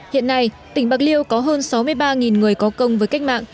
hiện nay tỉnh bạc liêu có hơn sáu mươi ba người có công với cách mạng